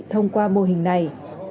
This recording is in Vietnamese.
thông qua mô hình này